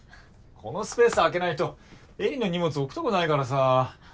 このスペース開けないと絵里の荷物置くとこないからさ。